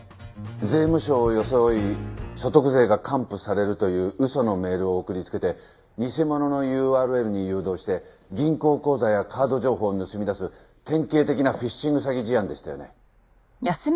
税務署を装い所得税が還付されるという嘘のメールを送りつけて偽物のＵＲＬに誘導して銀行口座やカード情報を盗み出す典型的なフィッシング詐欺事案でしたよね。